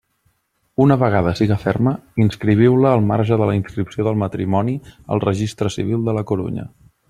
Una vegada siga ferma, inscriviu-la al marge de la inscripció del matrimoni al Registre Civil de la Corunya.